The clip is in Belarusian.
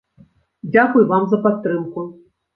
Дзякуй вам за падтрымку.